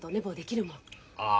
ああ。